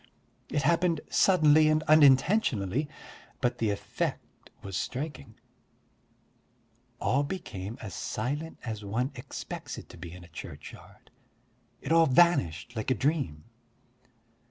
It happened suddenly and unintentionally, but the effect was striking: all became as silent as one expects it to be in a churchyard, it all vanished like a dream.